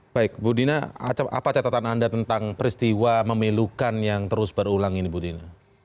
baik bu dina apa catatan anda tentang peristiwa memilukan yang terus berulang ini bu dina